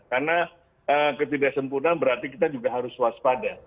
karena ketidaksempurna berarti kita juga harus waspada